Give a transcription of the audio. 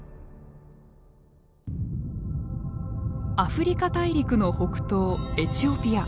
アフリカ大陸の北東エチオピア。